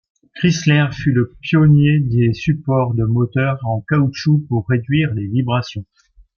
Chrysler fut le pionnier des supports de moteur en caoutchouc pour réduire les vibrations.